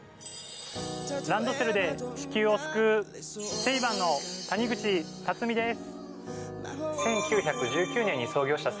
ランドセルで地球を救うセイバンの谷口巽です。